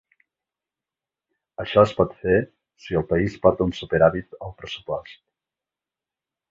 Això es pot fer si el país porta un superàvit al pressupost.